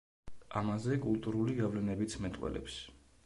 ამაზე კულტურული გავლენებიც მეტყველებს.